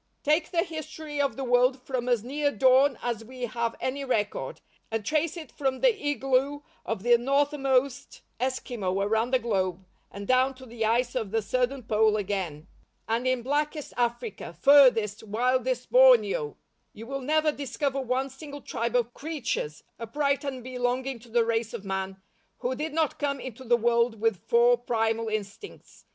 "Take the history of the world from as near dawn as we have any record, and trace it from the igloo of the northernmost Esquimo, around the globe, and down to the ice of the southern pole again, and in blackest Africa, farthest, wildest Borneo, you will never discover one single tribe of creatures, upright and belonging to the race of man, who did not come into the world with four primal instincts.